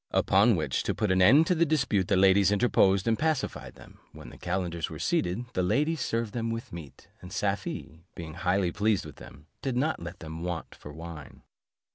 Upon which, to put an end to the dispute, the ladies interposed, and pacified them. When the calenders were seated, the ladies served them with meat; and Safie, being highly pleased with them, did not let them want for wine.